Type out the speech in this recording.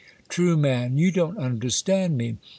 Tru» You don't understand me.